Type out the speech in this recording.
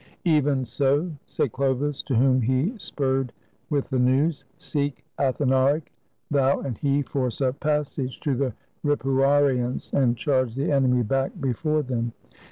"Even so," said Chlovis, to whom he spurred with the news. " Seek Athanaric : thou and he force a passage to the Ripuarians, and charge the enemy back before them."